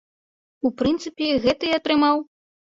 У прынцыпе, гэта і атрымаў!